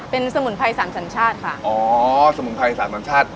เป็นสมุนไพรสามสัญชาติค่ะอ๋อสมุนไพรสามสัญชาติ